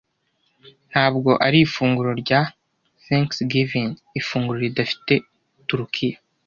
Ntabwo ari ifunguro rya Thanksgiving ifunguro ridafite turukiya.